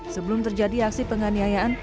sebelum terjadi aksi penganiayaan